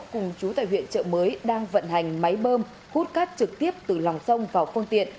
cùng chú tại huyện trợ mới đang vận hành máy bơm hút cát trực tiếp từ lòng sông vào phương tiện